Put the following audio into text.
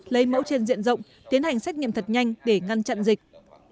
lấy mẫu trên diện rộng tiến hành xét nghiệm thật nhanh để ngăn chặn dịch